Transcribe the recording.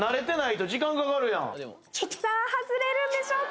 さぁ外れるんでしょうか？